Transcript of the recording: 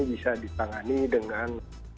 bisa ditangani dengan